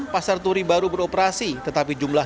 pasar turi baru beroperasi tetapi jumlah